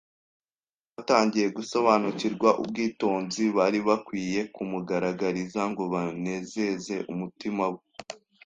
batangiye gusobanukirwa ubwitonzi bari bakwiye kumugaragariza ngo banezeze umutima we